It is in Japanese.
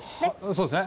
そうですね。